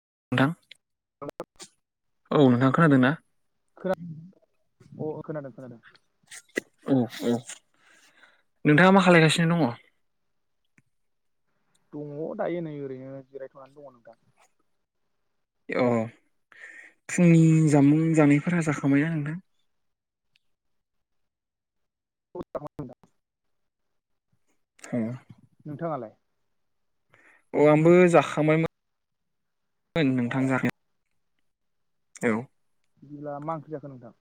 [unintelligible] [unintelligible] औ नोंथां खोनादों ना? खोनादों [unintelligible] अ अ खोनादों खोनादों औ औ नोंथाङा मा खालायगासिनो दङ? दङ दायो नै ओरैनो जिरायथ'नानै दङ [unintelligible] अ फुंनि जामुं जानायफोरा जाखांबायना नोंथां? [unintelligible] [unintelligible] नोंथांआलाय? औ आंबो जाखांबायमो [unintelligible] मोन अ नोंथां [unintelligible] औ बिदिब्ला मा ओंख्रिजाखो नोंथां?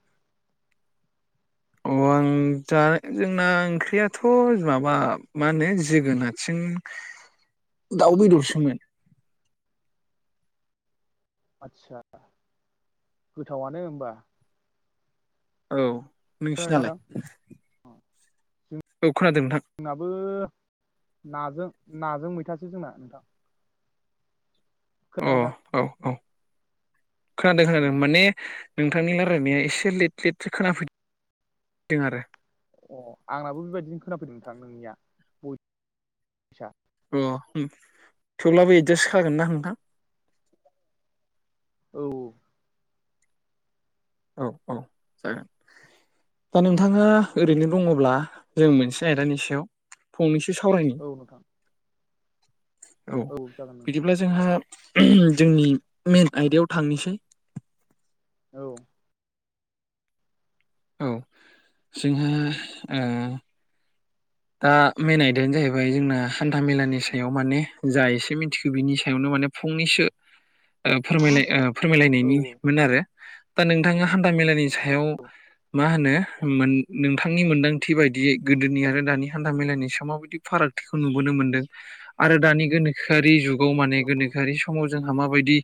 अ आं दा जोंना ओंख्रियाथ' माबा मा होनो जोगोनार सो उम दाउ बेदरसोमोन [inaudible] आदसा गोथावानो होमबा औ नोंसिनालाय? खोनादोंना नोंथां औ खोनादों नोंथां जोंनाबो नाजों नाजों मैथासो जोंना नोंथां अ खोनादों औ खोनादों खोनादों नोंथां माने नोंथांनि रायज्लायनाया एसे लेट लेटसो खोनाफै दों आरो अ आंनाबो बेबायदिनो खोनाफैदों नोंथां नोंनिया [unintelligible] अ उम थेवब्लाबो एदजास्ट खानागोन ना नोंथां औ औ औ जागोन दा नोंथाङा ओरैनो दङ'ब्ला जों मोनसे आयदानि सायाव फंनैस [unintelligible] सावरायनि औ औ नोंथां औ जागोन नोंथां बिदिब्ला जोंहा [unintelligible] जोंनि मेन आयदायाव थांनिसै औ औ जोंहा ओ दा मेेन आयदायानो जाहैबाय जोंना हान्था -मेलानि सायाव माने जा एसे मिनथिखो बिनि सायावनो माने फुंनैसो [unintelligible] ओ फोरमायलाय ओ औ फोरमायलायनायनिमोन आरो दा नोंथाङा हान्था मेलानि सायाव औ मा होनो मोन नोंथांनि मोन्दांथि बायदियै गोदोनि आरो दानि हान्था मेलानि समाव बिदि फारागथिखौ नुबोनो मोनदों आरो दानि गोनोखोआरि जुग औ माने गोनोखोआरि समाव जोंहा माबायदि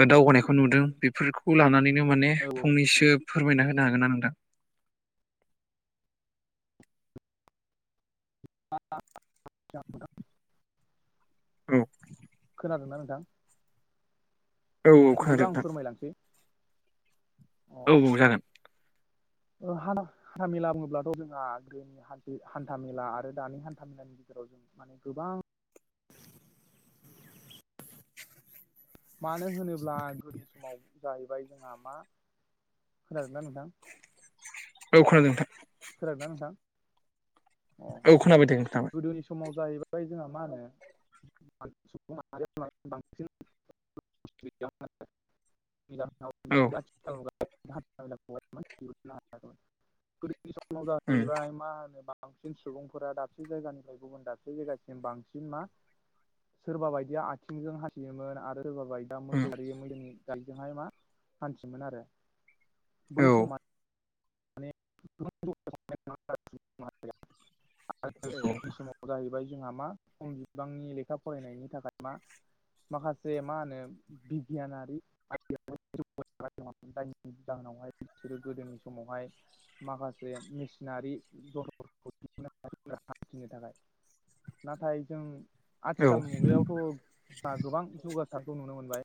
ओ दावगानायखो नुदों बेफोरखौ लानानै नो माने औ फंनैसो फोरमायना होनो हागोन ना नोंथां? [unintelligible] औ खोनादों ना नोंथां? औ औ बिदिबा खोनादों आं नोंथां फोरमायलांसै अ औ औ जागोन ओ [unintelligible] मेला बुङोब्लाथ' जोंहा गोदो [unintelligible] [unintelligible] माने गोबां मानो होनोब्ला गोदोनि समाव जाहैबाय जोंहा मा खोनादोंना नोंथां औ खोनादों नोंथां खोनादों ना नोंथां अ औ खोनाबाय दे खोनाबाय गोदोनि समाव जाहैबाय जोंहा मा होनो बांसिन औ [unintelligible] [unintelligible] [unintelligible] सम [unintelligible] मा उम होनो मा बांसिन सुबुंफोरा दाबसे जायगानिफाय गुबुन दाबसे जायगासिम बांसिन मा सोरबा बायदिया आथिंजों हानथियोमोन आरो सोरबा बायदिया उम औ मोसौ गारि मैसोनि गारिजोंहाय मा हान्थियोमोन आरो बै औ समा [unintelligible] समावनो जाहैबाय जोंहा मा खम बिबांनि लेखा फरायनायनि थाखाय मा माखासे मा होनो बिगियानारि आयदा [unintelligible] बिसोरो गोदोनि समावहाय माखासे मेसिनारि [unintelligible] हान्थिनो थाखाय नाथाय जों औ आथिखाल मुगायावथ' जोंहा गोबां जौगासारखौ नुनो मोनबाय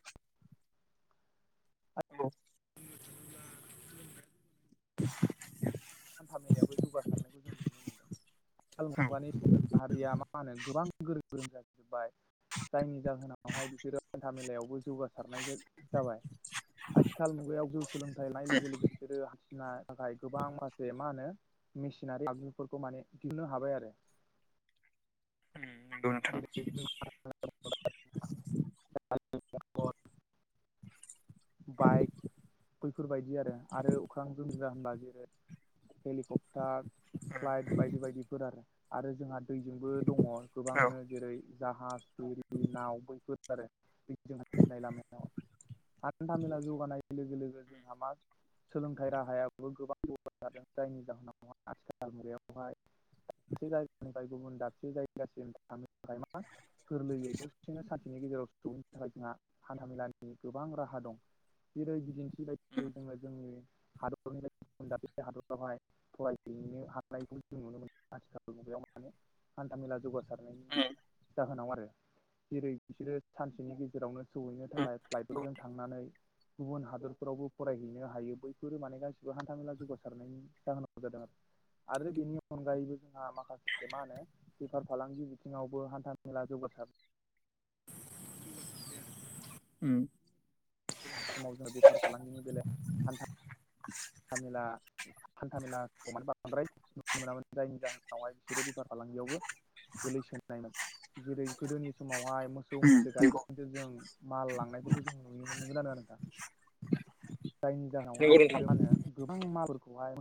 औ [unintelligible] [unintelligible] हान्था मेलायाबो जौगासारनायखौ जों नुनो मोनदों आथिखाल औ मुगानि सुबुं माहारिया मा मा होनो गोबां गोरों गोरों जाजोब्बाय जायनि जाहोनावहाय बिसोरो हान्था मेलायावबो जौगासारनायजों जाबाय आथिखाल मुगायाव गोजौ सोलोंथाइ लानाय लोगो लोगो बिसोरो हा [unintelligible] गोबांं मान बे मा होनो मेसिनारि आगजुफोरखौ माने दिहुननो हाबाय आरो उम नोंगौ नोंथां जेरै [unintelligible] [unintelligible] बाइक बैफोरबायदि आरो आरो अख्रां जोमग्रा होनबा जेरै हेलिकप्टार फ्लाइट बायदि बायदिफोर आरो आरो जोंहा दैजोंबो दङ औ गोबांनो जेरै जाहाज एरि नाव बैफोर आरो बे जोंहा मिथिनाय लामाव हानन्थाामेला जौगानाय लोगो लोगो जोंहा मा सोलोंथाइ राहायाबो गोबां जगार जादों। जायनि जाहोनाव आलरहाय। द जायगानिफ्राय गुबुन दाबसे जायगासिम थानो थाखाय मा गोरलैयै दसेनो स नि गेजेराव सहैनो थाखाय जोंहा हान्था मेलानि गोबां राहा दं जेरै बायदिदों जोंनि हादरनिफ्राय दा बे हादरावहाय फरायफैनो हानायखौ जों नुनो मोनो आथिखाल हान्थामेला जैगासार ‌उम ज आरो जेरै बिसोरो सानसेनि गेजेरावनो सौहैनो उम थाखाय फ्लाइटफोरजों थांनानै गुबुन हादोर फोरावबो फरायहैनो हायो बैफोरो माने गासिबो हान्था मेला जौगासारनायनि जाहोनाव जादों आरो। आरो बेनि अनगायैबो जोंहा माखासे मा होनो बेफार फालांगि बिथिङावबो हान्था मेला जौ [inaudible] उम। बेनि समाव जोङो बेफार फालांगिनि बेलायाव हान्था हान्थामेला हान्था मेला माने बांद्राय नुनो मोनामोन जायनि जाहोनावहाय बिसोरो बेफार फालांगियावबो गोलैसोनायमोन जेरै गोदोनि समावहाय मोसौ मैसो गायदों जों माल लांनायफोरखौ जों नुनो मोनगोन आरो दा जायनि जाहोनाव नंगौ नोंथां आसोरो मो गोबां। माबोरफोरखौहाय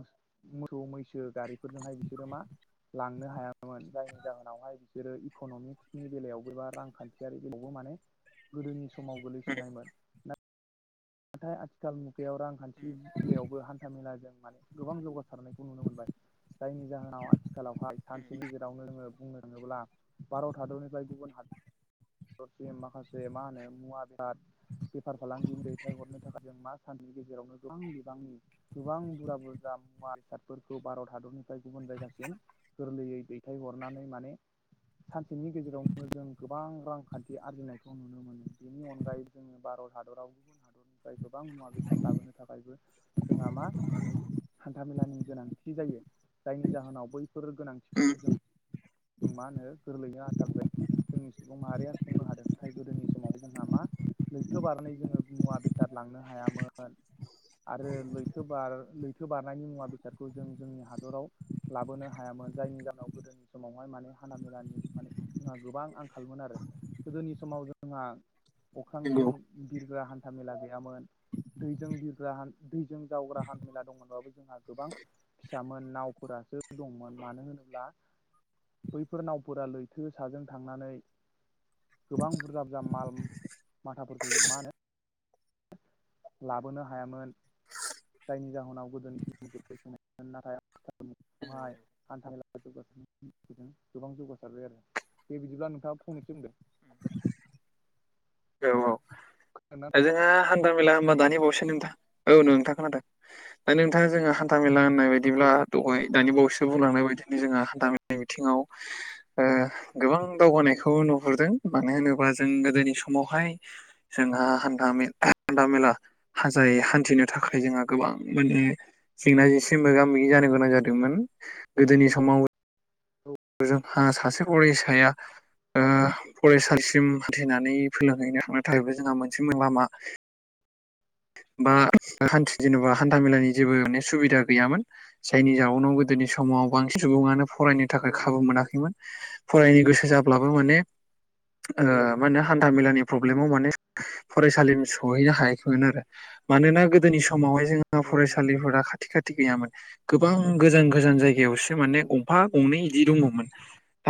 मोसौ मैसो गारिफोरजोंहाय बिसोरो मा लांनो हायामोन जायनि जाहोनावहाय बिसोरो इक'नमिक्सनि बेलायावबो बा रांखान्थियारि बेलायावबो माने गोदोनि समाव गोलैसोनायमोन नाथाय आथिखाल मुगायाव रांखान्थिलायावबो हान्थामेलाजों माने गोबां जौगासारनायखौ नुनो मोनबाय। जायनि जाहोनाव आथिखालावहाय सानसेनि गेजेरावनो नोङो बुंनो थाङोब्ला भारत हादरनिफ्राय गुबुन हादर। हरसिम माखासे मा होनो मुवा बेराद बेफार फालांगि। फथ हरनो थाखाय जों मा साननि गेजेरावनो गोबां बिबांनि गोबां बुरजा बुरजा मुवा बेसादफोरखौ। भारत हादरनिफ्राय गुबुन जायगासिम गोरलैयै दैथायहरनानै माने सानसेनि गेजेरावनो जों गोबां रांखान्थि आरजिनायखौ नुनो मोनो बेनि अनगायै जोङो भारत भारत हादराव गुबुन हादरनिफ्राय गोबां मुवा बेसाद लाबोनो थाखायबो जोंहा मा हान्थामेलानि गोनांथि जायो जायनि जाहोनाव बैफोर गोनांथिफोरखौ जों जों मा होनो गोरलैनो हथाबगोन जोंनि सुबुं माहारिया बुंनो हादों नाथाय गोदोनि समाव जोंहा मा लैथो बारनानै जोङो मुवा बेसाद। लांनो हायामोन आरो लैथो बार लैथो बारनायनि मुवा बेसादखौ जों जोंनि हादराव लाबोनो हायामोन जायनि जाहोनाव गोदोनि समावहाय माने हाना मेलानि माने जोंहा गोबां आंखालमोन आरो गोदोनि समाव जोंहा नंगौ अख्रांजों बिरगा हान्थामेला गैयामोन। दैजों बिरग्रा दैजों जावग्रा हान् मेला दंमोनबाबो जोंहा गोबां फिसामोन नावफोरा। दंमोन मानो होनोब्ला बैफोर नावफोरा लैथो साजों थांनानै गोबां बुरजा बुरजा माल माथाफोरखौ मा होनो लाबोनो हायामोन जायनि जाहोनाव गोदोनि सम गोन नाथाय हाय हान्थ ग गोबां जौगासारबाय आरो बे बिदिब्ला नोंथाङा फंनैसो होनदों उम औव बुंदो औव जोंहा हान्था मेला खोनादोंना होनबा औ दानि दे बावसो नोंथां औव नोंथां खोनादों दा नोंथाङा जोङो हान्था मेला होननाय बायदिब्ला दहाय दानि बावैसो बुंलांनाय बदिनो जोंहा गामिनि बिथिङाव ओ गोबां दावगानायखौ नुहुरदों मानो होनोबा जों गोदोनि सम समावहाय जोंहा हानथा हान्था मेला हाजायै हान्थिनो थाखाय जोंहा गोबां बां माने जेंना जेंसि मोगा मोगि जानो गोनां जादोंमोन गोदोनि समाव जोंहा सासे अरिसाया ओ फरायसालिसिम हानथिनानै [unintelligible] थाखायबो जोंहा मोनसे [unintelligible] लामा [unintelligible] बा हानथिनो जेनेबा हान्था मेलानि जेबो माने सुबिदा गैयामोन जायनि जावनाव गोदोनि सम समाव बांसिन सुबुङानो फरायनो औ थाखाय खाबु मोनाखैमोन फरायनो गोसो जाब्लाबो माने ओ औ मा मोनो हान्था मेलानि प्रल्बिमाव माने फरायसासिम सहैनो हायाखैमोन आरो मानोना गोदोनि समावहाय जोंहा फरायसालिफोरा खाथि खाथि गैयामोन गोबां गोजान गोजान जायगायावसो माने गंफा गंनै एदि दंमोन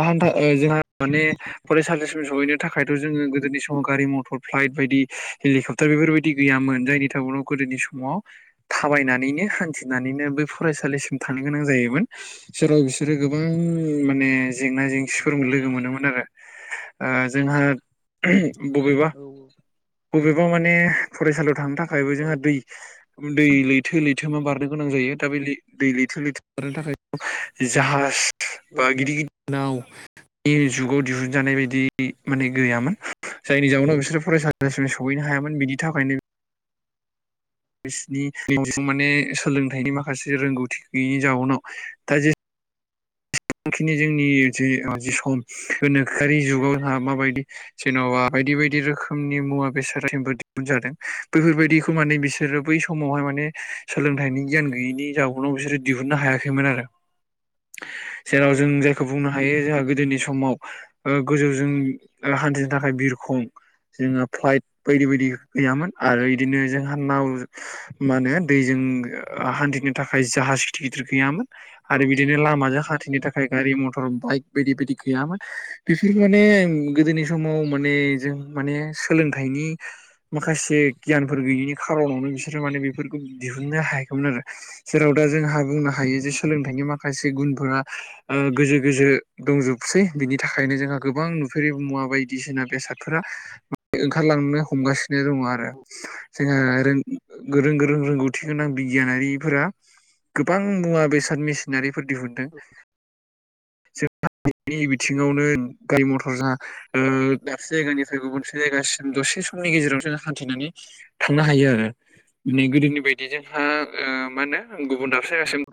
[unintelligible] जोंहा माने फरायसालिसिम सहैनो थाखायथ जोंङो गोदो गोदोनि समाव गारि मटर फ्लाइट बायदि हेलिकप्टार बेफोरबायदि गैयामोन जायनि उनाव गोदोनि समाव थाबायनानैनो हान्थिनानैनो बै फरायसालिसिम थां गोनां जायोमोन जेराव बिसोर बिसोरो गोबां माने जेंना जेंसिफोर लोगो मोनोमोन आरो। ओ जोंहा बबेबा औ बबेबा माने फरायसालियाव थांनो थाखायबो औ जोंहा दै दै लैथो लैथो लैथोमा बारनो गोनां जायो दा बे दै लैथो लैथो बारनो थाखाय जाहाज बा औ गिदिर खोनादों गिदिर नावनि जुगाव दिहुनजानाय बायदि माने गैयामोन। जायनि जाउनाव औ बिसोरो फरायसालिसिम सहैनो हायामोन बिनि थाखायनो बिसिनि माने सोलोंथाइनि माखासे रोंगौथि गैयैनि जाउनाव दा जे थांखिनि जोंनि जे जि सम गोनोखोआरि जुगाव जोंहा माबायदि जेन'बा बायदि बायदि रोखोमनि मुवा बेसाद दिहुन जादों बैफोरबायदिखौ माने बिसोरो बै समावहाय माने सोलोंथाइनि गियान गैयैनि जाउनाव बिसोरो दिहुननो हायाखैमोन आरो। [unintelligible] जेराव जों औ नंगौ जायखौ नोंथां बुंनो हायो जोंहा गोदोनि बे समाव ओ गोजौजों हान्थिनो थाखाय बिरखं जोङो फ्लाइट बायदि बायदि औ गैयामोन। आरो इदिनो जोंहा नाव मा होनो दैजों हान्थिनो थाखाय जाहाज गिदिर गिदिर गैयामोन आरो औ बिदिनो नंगौ नंगौ लामाजों नोंथां हानथ थाखाय गारि मथर बाइक बायदि बायदि गैयामोन बिसोर माने गोदोनि समाव माने माने सोलोंथाइनि माखासे गियानफोर गैयैनि खारनावनो बिसोरो माने बेफोरखौ दिहुननो हायाखैमोन आरो जेराव दा जोंहा बुंनो हायो जे सोलोंथाइनि माखासे गुनफोरा ओ गोजौ गोजौ दंजोबसै बिनि थाखायनो जोंहा गोबां नुफेरै मुवा बायदिसिना बेसाद बेसादफोरा ओंखारलांनो हमगासिनो दङ आरो जोंहा रों गोरों गोरों रोंगौथि गोनां बिगियानारिफोरा गोबां मुवा बेसाद मेसिनारिफोर दिहुनदों। [unintelligible] बेनि बिथिङावनो गारि मथर जा ओ दाबसे जायगानिफ्राय गुबुनसे जायगासिम दसे एसे समनि गेजेराव जो हान्थिनानै थांनो हायो आरो बे गोदोनि बायदि जोंहा ओ मा होनो गुबुन दाबसे जायगासिम